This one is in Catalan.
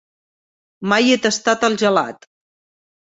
Mai he tastat el gelat.